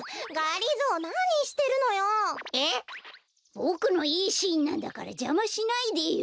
ボクのいいシーンなんだからじゃましないでよ。